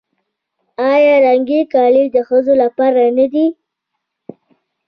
آیا رنګین کالي د ښځو لپاره نه دي؟